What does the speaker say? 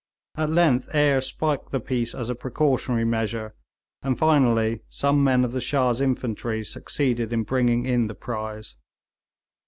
At length Eyre spiked the piece as a precautionary measure, and finally some men of the Shah's infantry succeeded in bringing in the prize.